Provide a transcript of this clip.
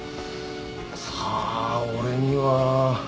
さあ俺には。